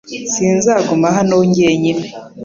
Sinzaguma hano jyenyine .